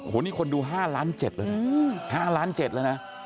โหนี่คนดู๕ล้าน๗เลยนะ